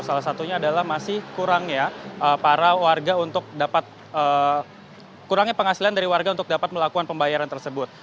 salah satunya adalah masih kurangnya penghasilan dari warga untuk dapat melakukan pembayaran tersebut